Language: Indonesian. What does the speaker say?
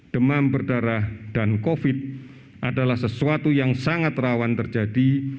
demam berdarah dan covid adalah sesuatu yang sangat rawan terjadi